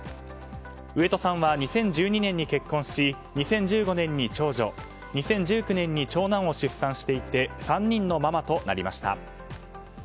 上戸さんは２０１２年に結婚し２０１５年に長女２０１９年に長男を出産していて３人のママとなりました。